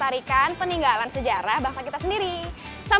hah kan gue hostnya